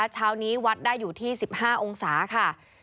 เช้านี้วัดได้อยู่ที่๑๕องศาค่ะ